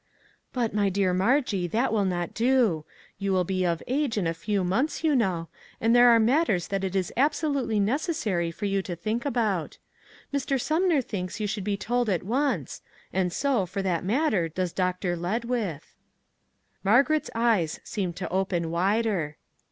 " But, my dear Margie, that will not do ; you will be of age in a few months, you know, and there are matters that it is absolutely necessary for you to think about. Mr. Sumner thinks you should be told at once, and so, for that matter, does Dr. Ledwith." Margaret's eyes seemed to open wider. 396 " WHAT ELSE COULD ONE DO ?